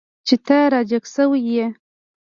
چې ته را جګ شوی یې.